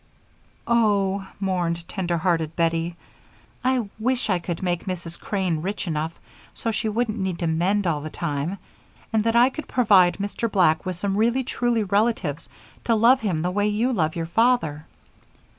"Oh", mourned tender hearted Bettie, "I wish I could make Mrs. Crane rich enough so she wouldn't need to mend all the time, and that I could provide Mr. Black with some really truly relatives to love him the way you love your father."